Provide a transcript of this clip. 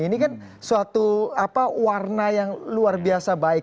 ini kan suatu warna yang luar biasa baik